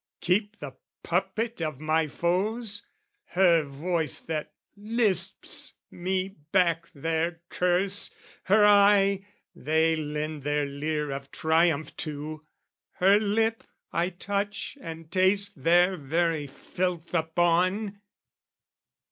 Keep the puppet of my foes "Her voice that lisps me back their curse her eye "They lend their leer of triumph to her lip "I touch and taste their very filth upon?"